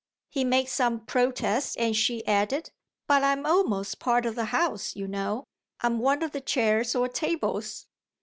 He made some protest and she added: "But I'm almost part of the house, you know I'm one of the chairs or tables."